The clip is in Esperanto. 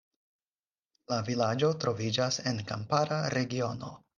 La vilaĝo troviĝas en kampara regiono.